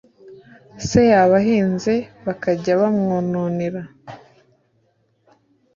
se yaba ahinze bakajya bamwononera.